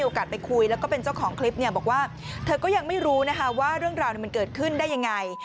ไปคุยแล้วก็เป็นเจ้าของคลิปเนี่ยบอกว่าเธอก็ยังไม่รู้นะคะว่าเรื่องราวมันเกิดขึ้นได้ยังไง